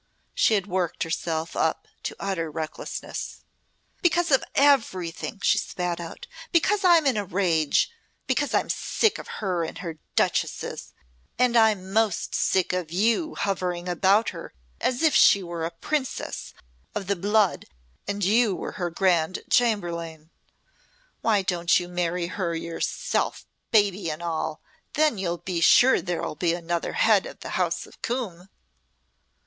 She had worked herself up to utter recklessness. "Because of everything," she spat forth. "Because I'm in a rage because I'm sick of her and her duchesses. And I'm most sick of you hovering about her as if she were a princess of the blood and you were her Grand Chamberlain. Why don't you marry her yourself baby and all! Then you'll be sure there'll be another Head of the House of Coombe!"